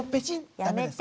ダメですか。